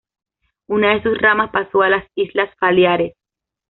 Una de sus ramas pasó a las Islas Baleares.